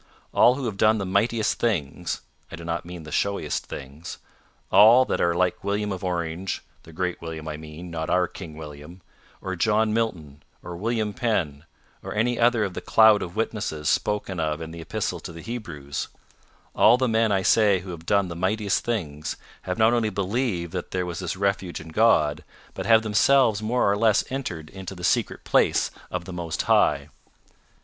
All who have done the mightiest things I do not mean the showiest things all that are like William of Orange the great William, I mean, not our King William or John Milton, or William Penn, or any other of the cloud of witnesses spoken of in the Epistle to the Hebrews all the men I say who have done the mightiest things, have not only believed that there was this refuge in God, but have themselves more or less entered into the secret place of the Most High.